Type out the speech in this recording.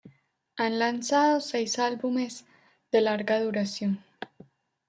Han lanzado seis álbumes de larga duración.